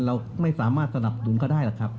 เราไม่สามารถสนับสนุนก็ได้หรอกครับ